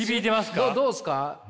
どうすか？